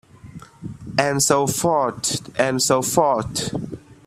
And so forth and so forth.